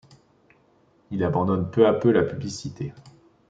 Il abandonne peu à peu la publicité.